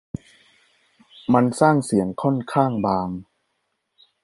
มันสร้างเสียงค่อนข้างบาง